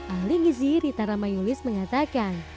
ahli gizi ritarama yulis mengatakan